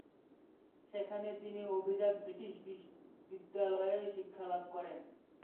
সেখানে তিনি অভিজাত ব্রিটিশ বিদ্যালয়ে শিক্ষালাভ করেন।